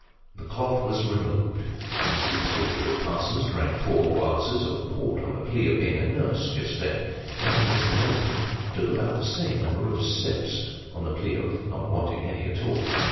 The cloth was removed ; Mrs. Gabriel Parsons drank four glasses of port on the plea of being a nurse just then ; and Miss Lillerton took about the same number of sips, on the plea of not wanting any at all.